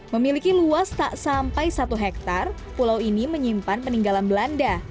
memiliki luas tak sampai satu hektare pulau ini menyimpan peninggalan belanda